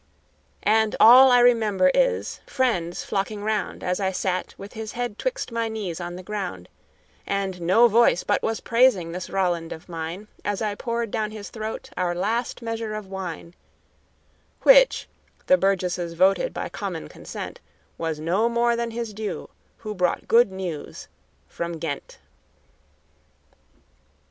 And all I remember is friends flocking round As I sat with his head 'twixt my knees on the ground; And no voice but was praising this Roland of mine, As I poured down his throat our last measure of wine, Which (the burgesses voting by common consent) Was no more than his due who brought the good news from Ghent.